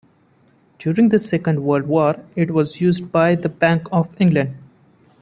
During the Second World War it was used by the Bank of England.